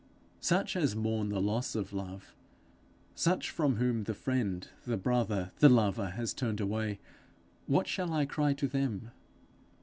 Such as mourn the loss of love, such from whom the friend, the brother, the lover, has turned away what shall I cry to them?